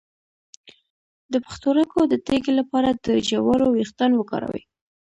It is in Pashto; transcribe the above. د پښتورګو د تیږې لپاره د جوارو ویښتان وکاروئ